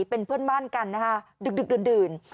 เป็นเพื่อนบ้านกันดึงดื่น